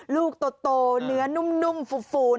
ลูกโตเนื้อนุ่มฟูน